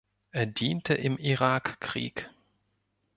Er diente im Irakkrieg.